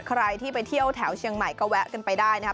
ใครที่ไปเที่ยวแถวเชียงใหม่ก็แวะกันไปได้นะครับ